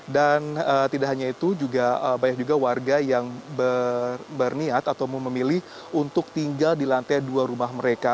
dan tidak hanya itu juga banyak juga warga yang berniat atau memilih untuk tinggal di lantai dua rumah mereka